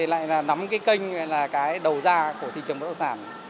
lại nắm kênh đầu ra của thị trường bất động sản